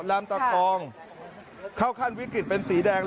ลำตะคองเข้าขั้นวิกฤตเป็นสีแดง